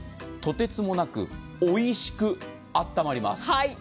とてつもなく、おいしくあったまります。